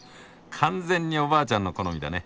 完全におばあちゃんの好みだね。